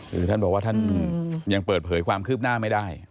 คือท่านบอกว่าท่านยังเปิดเผยความคืบหน้าไม่ได้